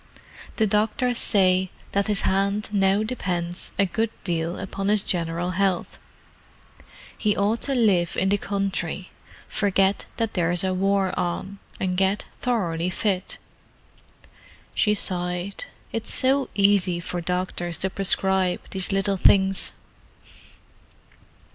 The doctors say that his hand now depends a good deal upon his general health: he ought to live in the country, forget that there's a war on, and get thoroughly fit." She sighed. "It's so easy for doctors to prescribe these little things."